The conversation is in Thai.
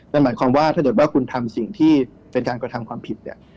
นั่นหมายความว่าถ้าเกิดว่าคุณทำสิ่งที่เป็นการกระทำความผิดเนี่ย